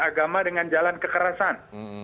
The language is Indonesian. agama dengan jalan kekerasan